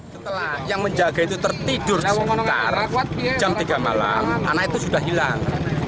setelah yang menjaga itu tertidur sebentar jam tiga malam anak itu sudah hilang